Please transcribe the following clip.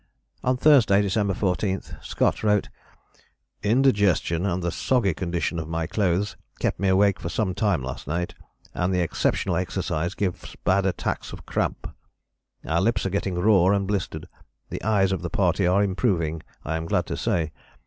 On Thursday December 14, Scott wrote: "Indigestion and the soggy condition of my clothes kept me awake for some time last night, and the exceptional exercise gives bad attacks of cramp. Our lips are getting raw and blistered. The eyes of the party are improving, I am glad to say.